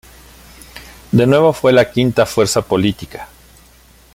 De nuevo fue la quinta fuerza política.